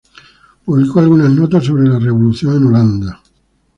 Publicó algunas notas sobre la revolución en Holanda.